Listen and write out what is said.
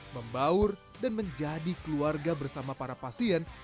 membaur dan menjadi keluarga bersama para pasien